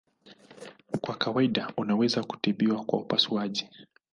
Kwa kawaida unaweza kutibiwa kwa upasuaji.